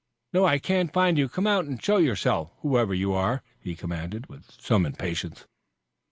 "No, I can't find you. Come out and show yourself, whoever you are," he commanded, with some impatience.